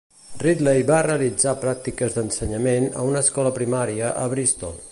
Ridley va realitzar pràctiques d'ensenyament a una escola primaria a Bristol.